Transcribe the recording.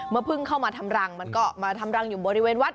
เพิ่งเข้ามาทำรังมันก็มาทำรังอยู่บริเวณวัด